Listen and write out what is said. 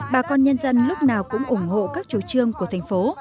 bà con nhân dân lúc nào cũng ủng hộ các chủ trương của thành phố